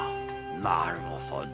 なるほど。